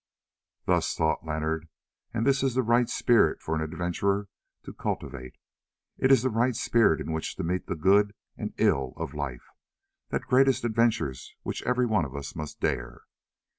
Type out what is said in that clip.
Thus thought Leonard, and this is the right spirit for an adventurer to cultivate. It is the right spirit in which to meet the good and ill of life—that greatest of adventures which every one of us must dare.